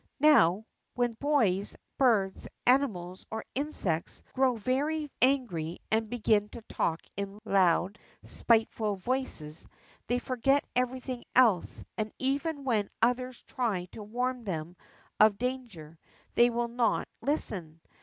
How, when boys, birds, animals, or insects grow very angry and begin to talk in loud, spiteful voices, they forget everything else, and, even when others try to warn them of danger, they will not listen.